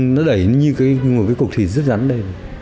nó đẩy như một cục thịt rứt rắn đây